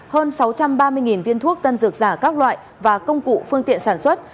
hơn sáu trăm ba mươi viên thuốc tân dược giả các loại và công cụ phương tiện sản xuất